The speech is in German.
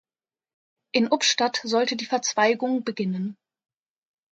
In Ubstadt sollte die Verzweigung beginnen.